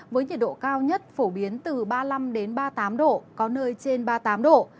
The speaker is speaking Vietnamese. với nhiệt độ cao nhất phổ biến từ ba mươi năm ba mươi tám độ có nơi trên ba mươi tám độ